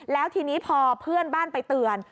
แล้วทีนี้พอเพื่อนบ้านไปเตือน